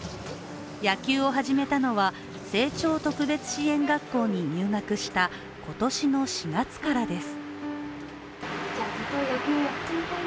野球を始めたのは、青鳥特別支援学校に入学した今年の４月からです。